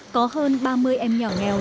có hơn ba mươi em nhỏ nghèo